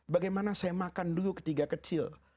bagaimana saya makan ketika kecil